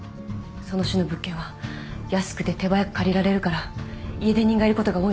その種の物件は安くて手早く借りられるから家出人がいることが多いの。